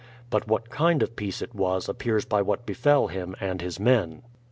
But what kind of peace it was appears by what befell him and his men.